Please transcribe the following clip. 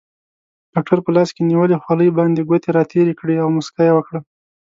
ډاکټر په لاس کې نیولې خولۍ باندې ګوتې راتېرې کړې او موسکا یې وکړه.